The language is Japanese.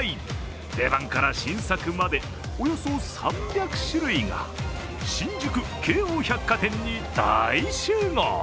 定番から新作まで、およそ３００種類が新宿・京王百貨店に大集合。